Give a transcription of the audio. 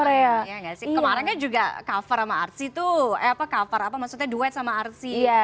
iya nggak sih kemarin kan juga cover sama artsy tuh cover apa maksudnya duet sama arsy